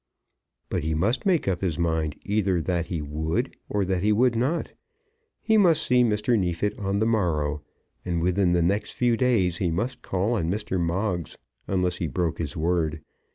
But he must make up his mind either that he would or that he would not. He must see Mr. Neefit on the morrow; and within the next few days he must call on Mr. Moggs, unless he broke his word.